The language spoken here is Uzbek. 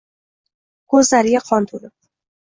– ko‘zlariga qon to‘lib